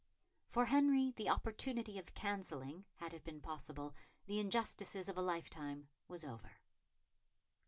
For Henry the opportunity of cancelling, had it been possible, the injustices of a lifetime was over.